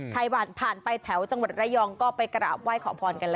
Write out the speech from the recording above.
ถ้าใครผ่านไปแถวจังหวัดไรยองค์ก็ไปกราบไหว้ขอพรกัน